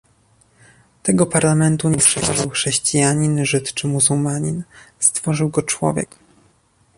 Tego Parlamentu nie stworzył chrześcijanin, żyd czy muzułmanin, stworzył go człowiek